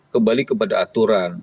kembali kepada aturan